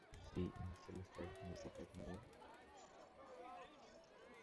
She initially studied music at York University.